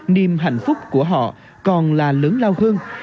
niềm hạnh phúc của họ còn là lớn lao hơn